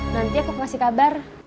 nanti aku kasih kabar